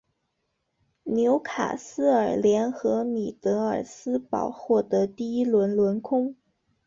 纽卡斯尔联和米德尔斯堡获得第一轮轮空。